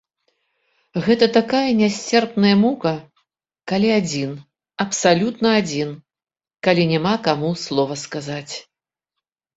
Гэта такая нясцерпная мука, калі адзін, абсалютна адзін, калі няма каму слова сказаць.